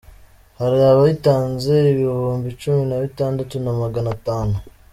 Hari abitanze ibihumbi cumi na bitandatu na magana atanu.